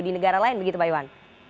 di negara lain begitu pak iwan